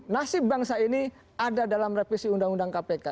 nasib bangsa ini ada dalam revisi undang undang kpk